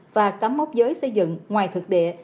và tấm mốc giới xây dựng ngoài thực địa